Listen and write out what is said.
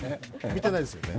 見てないですよね。